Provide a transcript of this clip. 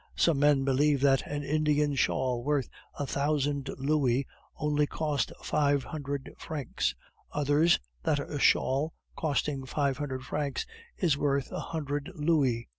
Some men believe that an Indian shawl worth a thousand louis only cost five hundred francs, others that a shawl costing five hundred francs is worth a hundred louis.